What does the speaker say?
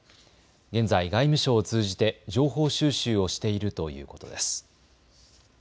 現在、外務省を通じて情報収集をしているということです。